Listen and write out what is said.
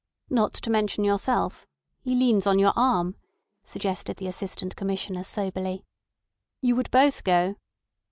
"Not to mention yourself. He leans on your arm," suggested the Assistant Commissioner soberly. "You would both go."